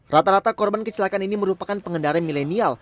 rata rata korban kecelakaan ini merupakan pengendara milenial